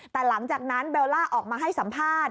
แต่หลังจากนั้นเบลล่าออกมาให้สัมภาษณ์